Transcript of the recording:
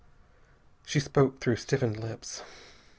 She spoke through stiffened lips.